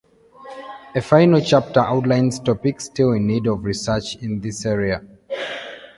A final chapter outlines topics still in need of research in this area.